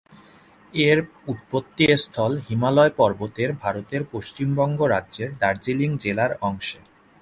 এর উৎপত্তিস্থল হিমালয় পর্বতের ভারতের পশ্চিমবঙ্গ রাজ্যের দার্জিলিং জেলার অংশে।